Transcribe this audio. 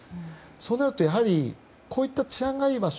そうなるとこういった治安がいい場所